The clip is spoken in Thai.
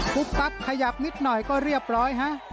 ปั๊บขยับนิดหน่อยก็เรียบร้อยฮะ